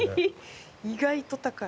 意外と高い。